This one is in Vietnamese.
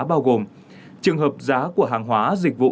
bao gồm trường hợp giá của hàng hóa dịch vụ